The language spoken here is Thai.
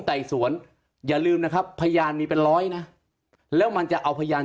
ไต่สวนอย่าลืมนะครับพยานมีเป็นร้อยนะแล้วมันจะเอาพยาน